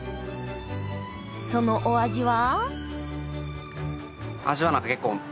そのお味は？